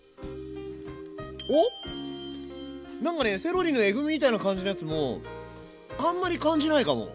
おっ⁉なんかねセロリのえぐみみたいな感じのやつもあんまり感じないかも。